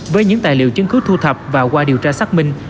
với những tài liệu chứng cứ thu thập và qua điều tra xác minh